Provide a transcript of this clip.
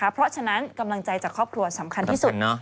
เพราะฉะนั้นกำลังใจจากครอบครัวสำคัญที่สุด